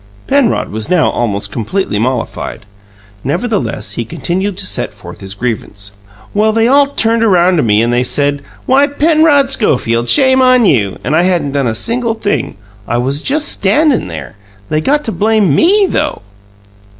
Penrod was now almost completely mollified; nevertheless, he continued to set forth his grievance. "Well, they all turned around to me and they said, 'Why, Penrod Schofield, shame on you!' And I hadn't done a single thing! I was just standin' there. They got to blame ME, though!"